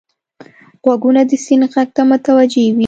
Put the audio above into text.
غوږونه د سیند غږ ته متوجه وي